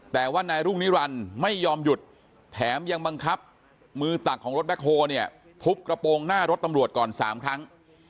แต่ว่านายรุ่งนิรันดิ์ไม่ยอมหยุดแถมยังบังคับมือตักของรถแคคโฮลเนี่ยทุบกระโปรงหน้ารถตำรวจก่อน๓ครั้ง